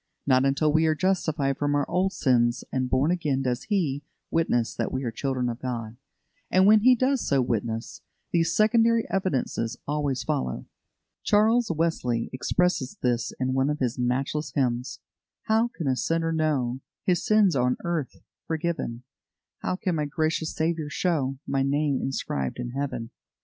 Not until we are justified from our old sins and born again does He witness that we are children of God; and when He does so witness, these secondary evidences always follow. Charles Wesley expresses this in one of his matchless hymns: "How can a sinner know His sins on earth forgiven? How can my gracious Saviour show My name inscribed in Heaven?